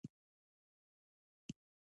اسدالله ارماني عکسونه راولېږل.